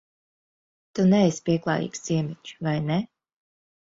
Tu neesi pieklājīgs ciemiņš, vai ne?